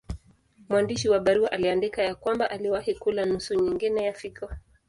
Mwandishi wa barua aliandika ya kwamba aliwahi kula nusu nyingine ya figo.